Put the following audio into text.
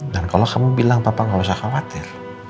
dan kalau kamu bilang papa gak usah khawatir